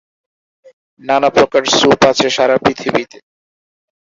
নানা প্রকারের স্যুপ আছে সারা পৃথিবীতে।